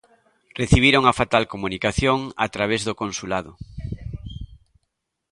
Recibiron a fatal comunicación a través do consulado.